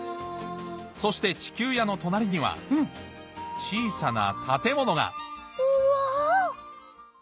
そして地球屋の隣には小さな建物がうわ！